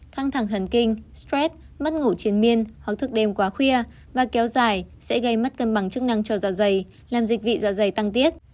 căng thẳng thần kinh stress mất ngủ trên miên hoặc thức đêm quá khuya và kéo dài sẽ gây mất cân bằng chức năng cho dạ dày làm dịch vị dạ dày tăng tiết